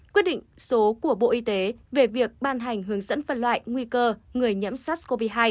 quyết định số của bộ y tế về việc ban hành hướng dẫn phân loại nguy cơ người nhiễm sars cov hai